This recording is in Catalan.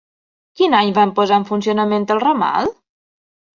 Quin any van posar en funcionament el ramal?